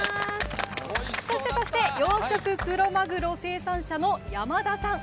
そして、養殖クロマグロ生産者の山田さん。